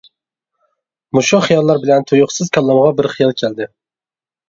مۇشۇ خىياللار بىلەن تۇيۇقسىز كاللامغا بىر خىيال كەلدى.